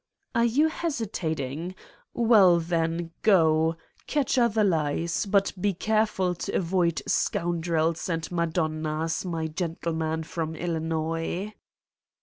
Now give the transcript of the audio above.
... Are you hesitating? Well, then go, catch other lies, but be careful to avoid scoundrels and Madonnas, my gentleman from Illinois